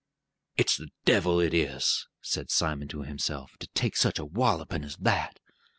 "It's the devil, it is," said Simon to himself, "to take such a wallopin' as that.